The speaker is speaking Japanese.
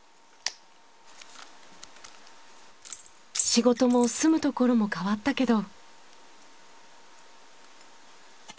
仕事も住むところも変わったけど。